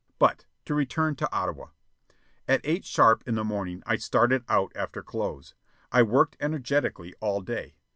But to return to Ottawa. At eight sharp in the morning I started out after clothes. I worked energetically all day.